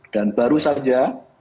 dan baru saja